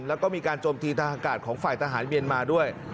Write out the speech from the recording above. แล้วก็มีการโจมตีทหารอากาศของฝ่ายทหารเมียนมาด้วย